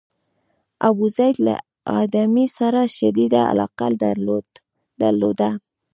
ابوزید له ادامې سره شدیده علاقه درلوده.